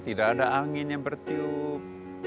tidak ada angin yang bertiup